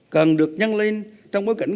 cần được nhăn lên trong bối cảnh